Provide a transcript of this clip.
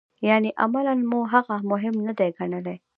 یعنې عملاً مو هغه مهم نه دی ګڼلی.